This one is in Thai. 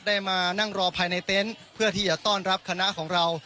มานั่งรอภายในเต็นต์เพื่อที่จะต้อนรับคณะของเรา